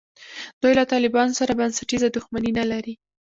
دوی له طالبانو سره بنسټیزه دښمني نه لري.